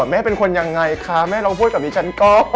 แม่เป็นคนยังไงค่ะแม่เราพูดแบบนี้ฉันก็